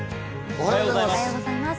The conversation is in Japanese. おはようございます。